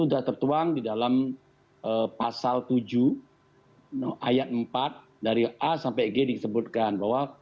sudah tertuang di dalam pasal tujuh ayat empat dari a sampai g disebutkan bahwa